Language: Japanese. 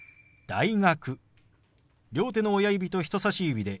「大学」。